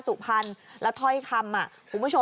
สุพรรณและถ่อยคำ